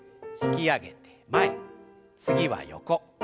引き上げて前次は横。